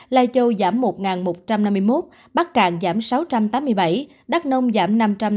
lai châu giảm một một trăm năm mươi một bắc cạn giảm sáu trăm tám mươi bảy đắk nông giảm năm trăm năm mươi